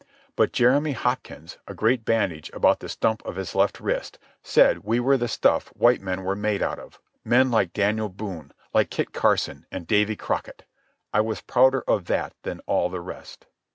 But Jeremy Hopkins, a great bandage about the stump of his left wrist, said we were the stuff white men were made out of—men like Daniel Boone, like Kit Carson, and Davy Crockett. I was prouder of that than all the rest.